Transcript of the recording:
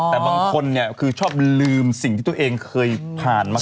แต่บางคนสบายชอบลืมสิ่งที่ตัวเองเคยผ่านมาก่อน